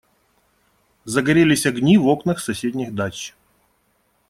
Загорелись огни в окнах соседних дач.